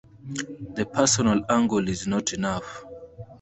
The personal angle is not enough.